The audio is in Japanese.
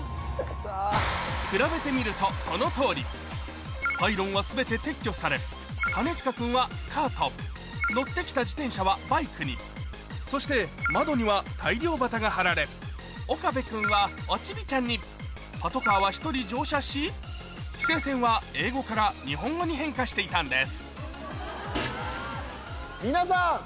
比べてみるとこのとおりパイロンは全て撤去され兼近君はスカート乗ってきた自転車はバイクにそして窓には大漁旗が張られ岡部君はおチビちゃんにパトカーは１人乗車し規制線は英語から日本語に変化していたんです皆さん。